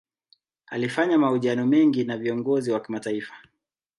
Alifanya mahojiano mengi na viongozi wa kimataifa.